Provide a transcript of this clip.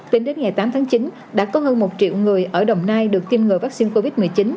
tính đến ngày tám tháng chín đã có hơn một triệu người ở đồng nai được tiêm ngừa vaccine covid một mươi chín